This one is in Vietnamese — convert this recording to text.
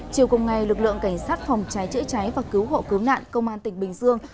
chiều cùng ngày lực lượng cảnh sát phòng trái trễ trái và cứu hộ cứu nạn công an tỉnh bình dương